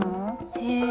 へえ。